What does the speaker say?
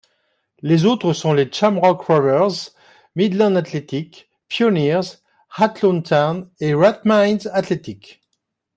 Les autres sont les Shamrock Rovers, Midland Athletic, Pioneers, Athlone Town et Rathmines Athletic.